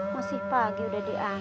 masih pagi udah diam